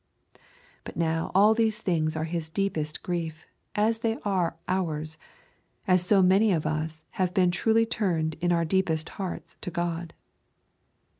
But now all these things are his deepest grief, as they are ours, as many of us as have been truly turned in our deepest hearts to God.